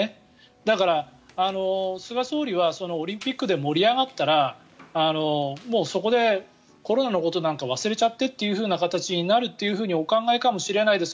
だから、菅総理はオリンピックで盛り上がったらもうそこでコロナのことなんか忘れちゃってという形になるとお考えかもしれないです。